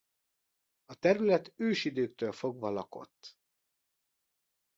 A terület ősidőktől fogva lakott.